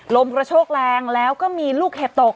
ลมกระโชกแรงแล้วก็มีลูกเห็บตก